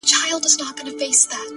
لاسونه ښکلوي- ستا په لمن کي جانانه-